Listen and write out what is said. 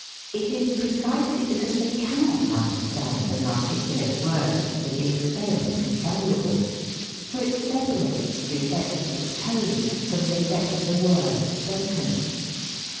It is precisely because they cannot understand and articulate words that the experiment is valuable; for it separates the effect of the tone from the effect of the word spoken.